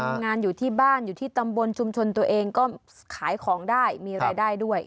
งานอยู่ที่บ้านอยู่ที่ตำบลชุมชนตัวเองก็ขายของได้มีรายได้ด้วย